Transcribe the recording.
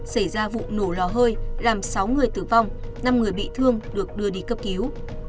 xảy ra vụ nổ lò hơi làm sáu người tử vong năm người bị thương được đưa đi cấp cứu